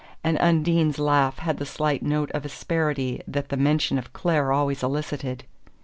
and Undine's laugh had the slight note of asperity that the mention of Clare always elicited.